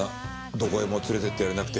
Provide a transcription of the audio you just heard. どこへも連れてってやれなくて。